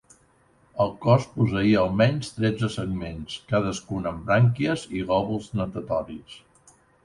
El cos posseïa almenys tretze segments, cadascun amb brànquies i lòbuls natatoris.